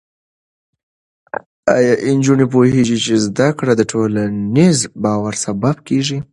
ایا نجونې پوهېږي چې زده کړه د ټولنیز باور سبب کېږي؟